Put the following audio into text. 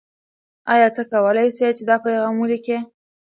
آیا ته کولای سې چې دا پیغام ولیکې؟